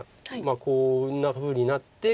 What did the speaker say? こんなふうになって。